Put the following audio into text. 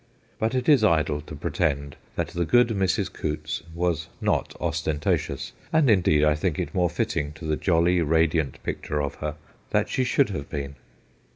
But it is idle to pretend that the good Mrs. Coutts was not ostentatious, and indeed I think it more fitting to the jolly, radiant picture of her that she should have been.